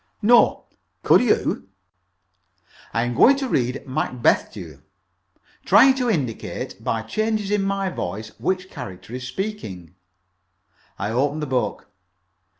"No. Could you?" "I am going to read 'Macbeth' to you, trying to indicate by changes in my voice which character is speaking." I opened the book.